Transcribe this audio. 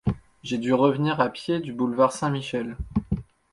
J’ai dû revenir à pied du boulevard Saint-Michel.